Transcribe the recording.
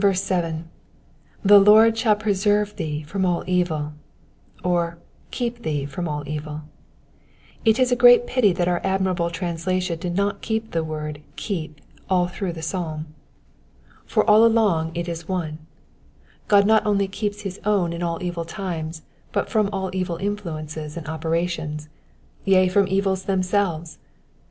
^^The Lord shall preserve thee from aU evil,'*^ or ieep thee from all evil. It is a great pity that our admirable translation did not keep to the word Digitized by VjOOQIC PSALM ONE HUNDRED AND TWENTY ONE. 417 hegp all through the psalm, for all along it is one. Crod not only keeps his own in all evil times but from all evil influences and operations, yea, from evils themselves.